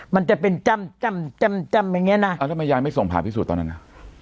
มันจะเป็นจ้ำจ้ำจ้ำจ้ำอย่างเงี้นะอ่าทำไมยายไม่ส่งผ่าพิสูจนตอนนั้นน่ะ